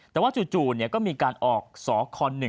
แต่ว่าจู่ก็มีการออกสค๑